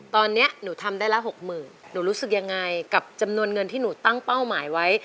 ตอนนี้หนูทำได้ละหกหมื่นหนูรู้สึกยังไงกับจำนวนเงินที่หนูตั้งเป้าหมายไว้